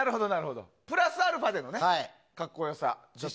プラスアルファでの格好良さね。